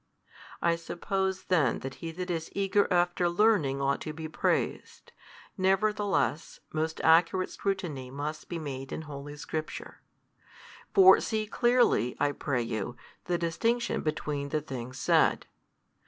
I suppose then that he that is eager after learning ought to be praised, nevertheless most accurate scrutiny must be made in Holy Scripture. For see clearly, I pray you, the distinction between the things said.